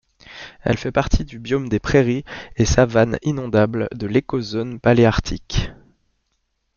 Elle fait partie du biome des prairies et savanes inondables de l'écozone paléarctique.